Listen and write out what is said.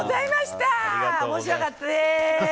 面白かったです。